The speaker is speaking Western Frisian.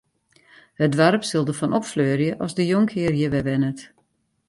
It doarp sil derfan opfleurje as de jonkhear hjir wer wennet.